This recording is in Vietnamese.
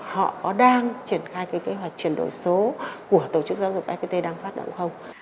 họ có đang triển khai cái kế hoạch chuyển đổi số của tổ chức giáo dục fpt đang phát động không